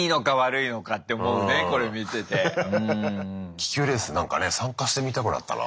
気球レースなんかね参加してみたくなったな。